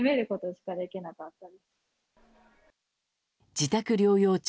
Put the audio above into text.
自宅療養中